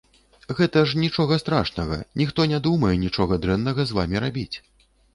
Гэта ж нічога страшнага, ніхто не думае нічога дрэннага з вамі рабіць.